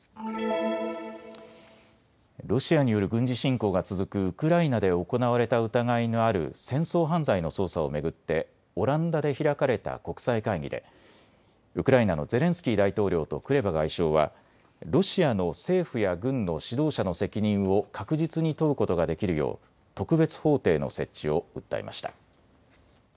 ロシアによる軍事侵攻が続くウクライナで行われた疑いのある戦争犯罪の捜査を巡ってオランダで開かれた国際会議で、ウクライナのゼレンスキー大統領とクレバ外相はロシアの政府や軍の指導者の責任を確実に問うことができるよう特別法廷の設置を訴えました。